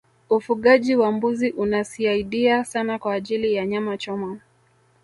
ufugaji wa mbuzi unasiadia sana kwa ajili ya nyama choma